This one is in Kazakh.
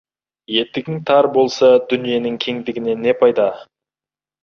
Етігің тар болса, дүниенің кеңдігінен не пайда.